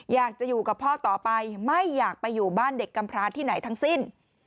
อยากจะอยู่กับพ่อต่อไปไม่อยากไปอยู่บ้านเด็กกำพระที่ไหนทั้งสิ้น